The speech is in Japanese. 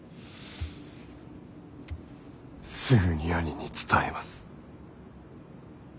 すぐに兄に伝えます。